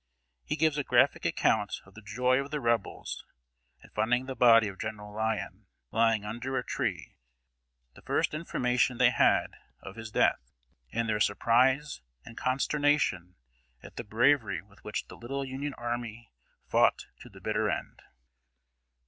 He gives a graphic account of the joy of the Rebels at finding the body of General Lyon, lying under a tree (the first information they had of his death), and their surprise and consternation at the bravery with which the little Union army fought to the bitter end.